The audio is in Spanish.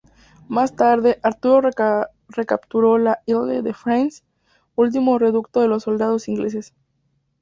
Más tarde, Arturo recapturó la "Île de France", último reducto de los soldados ingleses.